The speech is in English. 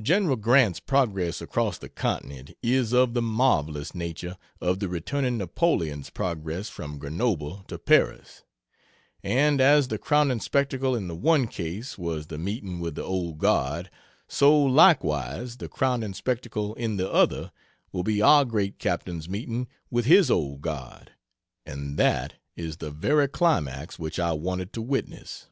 General Grant's progress across the continent is of the marvelous nature of the returning Napoleon's progress from Grenoble to Paris; and as the crowning spectacle in the one case was the meeting with the Old Guard, so, likewise, the crowning spectacle in the other will be our great captain's meeting with his Old Guard and that is the very climax which I wanted to witness.